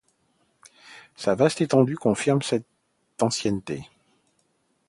Sa vaste étendue confirme cette ancienneté.